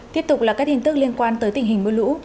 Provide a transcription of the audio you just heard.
tiếp tục là các tin tức liên quan tới tình hình mưa lũ